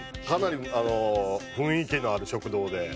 かなり雰囲気のある食堂で」